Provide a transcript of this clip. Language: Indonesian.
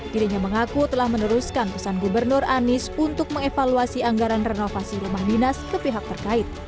dirinya mengaku telah meneruskan pesan gubernur anies untuk mengevaluasi anggaran renovasi rumah dinas ke pihak terkait